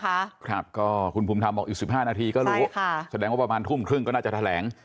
ครับก็คุณภูมิธรรมบอกอีกสิบห้านาทีก็รู้ค่ะแสดงว่าประมาณทุ่มครึ่งก็น่าจะแถลง